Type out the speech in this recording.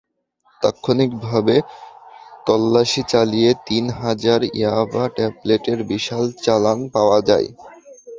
তাৎক্ষণিকভাবে তল্লাশি চালিয়ে তিন হাজার ইয়াবা ট্যাবলেটের বিশাল চালান পাওয়া যায়।